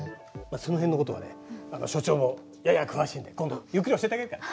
その辺のことはね所長もやや詳しいんで今度ゆっくり教えてあげるから。